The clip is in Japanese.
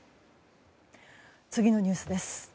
次のニュースです。